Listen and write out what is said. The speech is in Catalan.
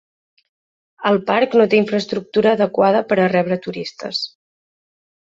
El parc no té infraestructura adequada per a rebre turistes.